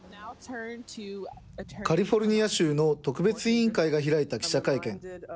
カリフォルニア州の特別委員会が開いた記者会見。